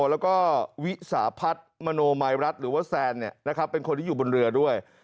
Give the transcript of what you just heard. แล้วก็วิสาพัฒน์มโนมายรัฐหรือว่าแซนเป็นคนที่อยู่บนเรือด้วย